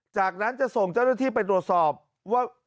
จากนั้นจะส่งเจ้าหน้าที่ไปตรวจสอบว่า